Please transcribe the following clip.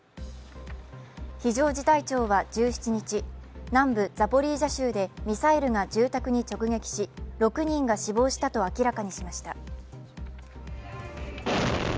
非常事態庁は１７日、南部ザポリージャ州でミサイルが住宅に直撃し６人が死亡したと明らかにしました